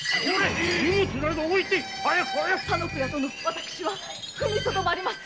私は踏みとどまりまする。